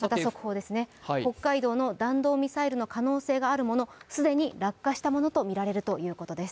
北海道の弾道ミサイルの可能性があるもの、既に落下したものとみられるということです。